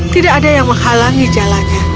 tidak ada yang menghalangi jalannya